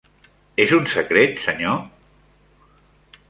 És un secret, senyor?